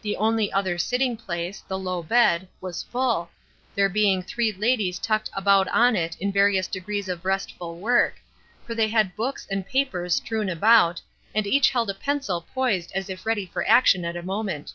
The only other sitting place, the low bed, was full, there being three ladies tucked about on it in various stages of restful work, for they had books and papers strewn about, and each held a pencil poised as if ready for action at a moment.